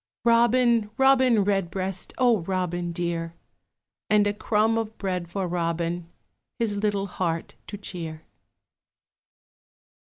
Robin, Robin Redbreast, O Robin dear! And a crumb of bread for Robin, His little heart to cheer.